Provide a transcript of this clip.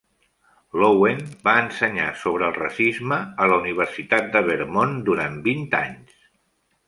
Loewen va ensenyar sobre el racisme a la Universitat de Vermont durant vint anys.